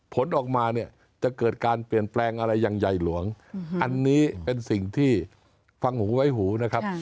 ผลออกมาเนี่ยจะเกิดการเปลี่ยนแปลงอะไรอย่างใหญ่หลวงอันนี้เป็นสิ่งที่ฟังหูไว้หูนะครับ